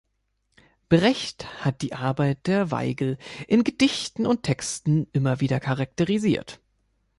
Brecht hat die Arbeit der Weigel in Gedichten und Texten immer wieder charakterisiert.